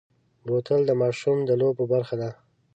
بوتل د ماشوم د لوبو برخه ده.